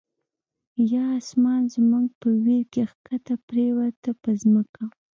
یا آسمان زمونږ په ویر کی، ښکته پریوته په ځمکه